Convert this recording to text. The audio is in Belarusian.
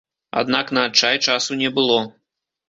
Аднак на адчай часу не было.